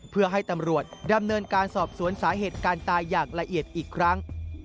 เพื่อให้ตำรวจดำเนินการสอบสวนสาเหตุการตายอย่างละเอียดอีกครั้ง